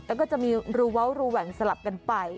แล้วก็จะมีรูเว้ารูแหว่งสลับกันไป